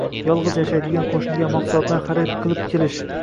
yolg‘iz yashaydigan qo‘shniga mahsulotlar xarid qilib kelish